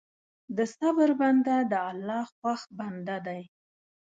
د صبر بنده د الله خوښ بنده دی.